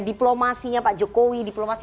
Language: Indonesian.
diplomasinya pak jokowi diplomasi